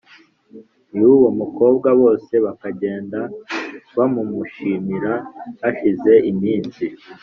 y’uwo mukobwa, bose bakagenda bamumushimira. Hashize iminsi